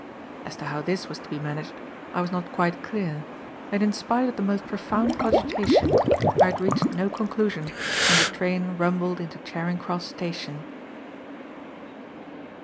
As to how this was to be managed, I was not quite clear, and in spite of the most profound cogitation, I had reached no conclusion when the train rumbled into Charing Cross Station.